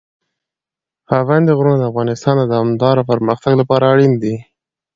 پابندي غرونه د افغانستان د دوامداره پرمختګ لپاره اړین دي.